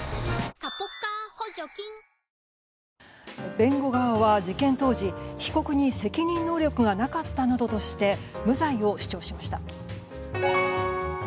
弁護側は事件当時被告に責任能力がなかったなどとして無罪を主張しました。